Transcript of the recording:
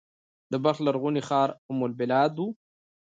د بلخ لرغونی ښار ام البلاد و